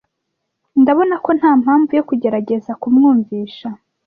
Ndabona ko nta mpamvu yo kugerageza kumwumvisha.